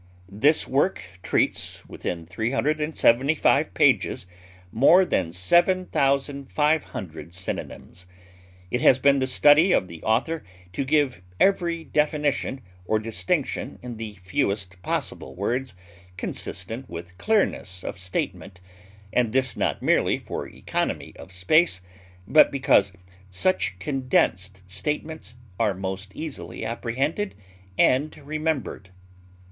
This work treats within 375 pages more than 7500 synonyms. It has been the study of the author to give every definition or distinction in the fewest possible words consistent with clearness of statement, and this not merely for economy of space, but because such condensed statements are most easily apprehended and remembered.